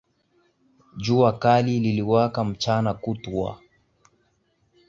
Jua kali liliwaka mchana kutwa.